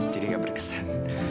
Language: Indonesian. jadi gak berkesan